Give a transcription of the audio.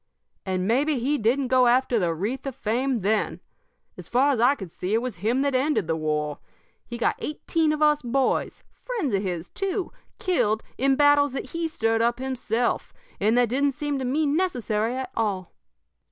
"And maybe he didn't go after the wreath of fame then! As far as I could see it was him that ended the war. He got eighteen of us boys friends of his, too killed in battles that he stirred up himself, and that didn't seem to me necessary at all.